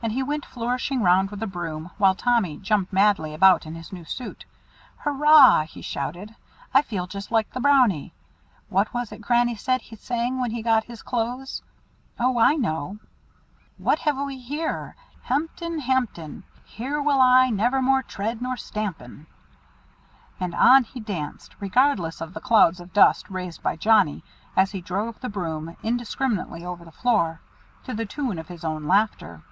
And he went flourishing round with a broom, while Tommy jumped madly about in his new suit. "Hurrah!" he shouted, "I feel just like the Brownie. What was it Granny said he sang when he got his clothes? Oh, I know 'What have we here? Hemten hamten! Here will I never more tread nor stampen.'" And on he danced, regardless of the clouds of dust raised by Johnnie, as he drove the broom indiscriminately over the floor, to the tune of his own laughter.